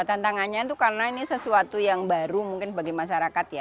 tantangannya itu karena ini sesuatu yang baru mungkin bagi masyarakat ya